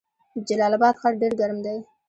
د جلال اباد ښار ډیر ګرم دی